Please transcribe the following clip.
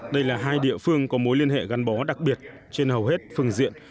đây là hai địa phương có mối liên hệ gắn bó đặc biệt trên hầu hết phương diện